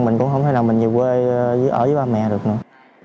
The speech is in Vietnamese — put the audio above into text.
mình cũng không thể nào mình dưới quê ở với ba mẹ được nữa